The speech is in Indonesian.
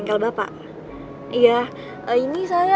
kita ajak hadidah